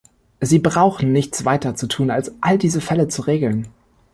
Sie brauchen nichts weiter zu tun, als all diese Fälle zu regeln.